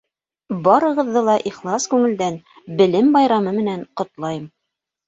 Барығыҙҙы ла ихлас күңелдән Белем байрамы менән ҡотлайым.